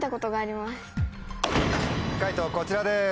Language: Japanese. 解答こちらです。